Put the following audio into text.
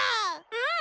うん！